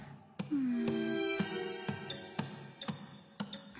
うん？